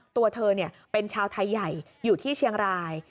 ตัวเธอเป็นชาวไทยใหญ่อยู่ที่เชียงราย